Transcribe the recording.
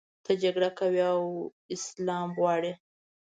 ته جګړه کوې او اسلام غواړې.